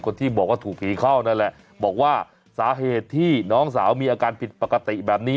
คนที่บอกว่าถูกผีเข้านั่นแหละบอกว่าสาเหตุที่น้องสาวมีอาการผิดปกติแบบนี้